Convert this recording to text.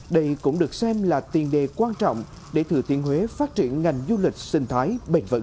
đây cũng được xem là tiền đề quan trọng để thừa thiên huế phát triển ngành du lịch sinh thái bền vững